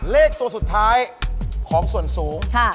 เลขตัวสุดท้ายของส่วนสูง